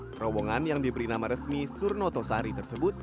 terowongan yang diberi nama resmi surnoto sari tersebut